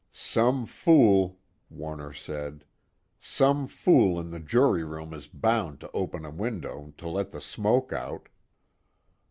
'" "Some fool," Warner said "some fool in the jury room is bound to open a window, to let the smoke out."